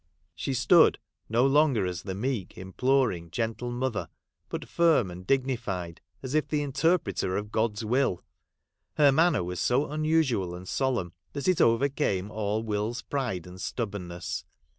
She stood, no longer as the meek, imploring, gentle mother, but firm and dignified, as if the interpreter of God's will. Her manner was so unusual and solemn, that it overcame all Will's pride and stubbornness.